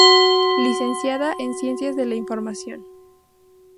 Licenciada en Ciencias de la Información.